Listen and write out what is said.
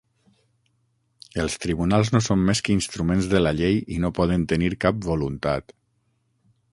Els tribunals no són més que instruments de la llei i no poden tenir cap voluntat.